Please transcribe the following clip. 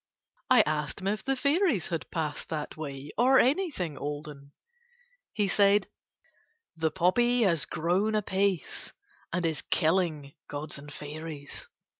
I asked him if the fairies had passed that way or anything olden. He said: "The poppy has grown apace and is killing gods and fairies.